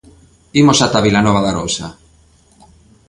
Imos ata Vilanova de Arousa.